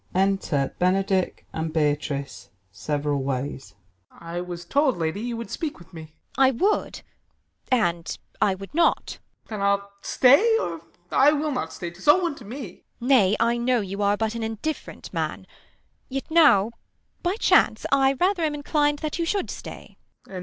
Enter Benedick and Beatrice, several tvays. Ben. I was told, lady, you would speak with me. 150 THE LAW AGAINST LOVERS. Beat. I would, and I would not. Ben. Then I'll stay, or I will not stay ; 'Tis all one to me. Beat. Nay, I know you are but an indifferent man : Yet now, by chance, I rather am inclin'd That you should stay.